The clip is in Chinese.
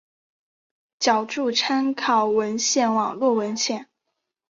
脚注参考文献网络文献